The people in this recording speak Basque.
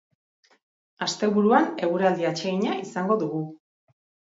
Asteburuan, eguraldi atsegina izango dugu.